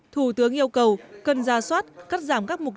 thủ tướng yêu cầu cần ra soát cắt giảm các mục tiêu